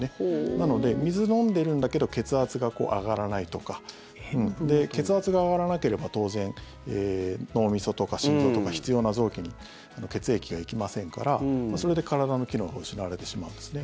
なので、水飲んでるんだけど血圧が上がらないとか血圧が上がらなければ当然、脳みそとか心臓とか必要な臓器に血液が行きませんからそれで体の機能が失われてしまうんですね。